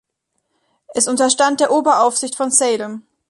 Es unterstand der Oberaufsicht von Salem.